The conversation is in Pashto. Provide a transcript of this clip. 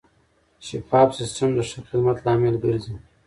شفاف سیستم د ښه خدمت لامل ګرځي.